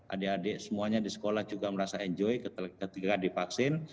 adik adik semuanya di sekolah juga merasa enjoy ketika divaksin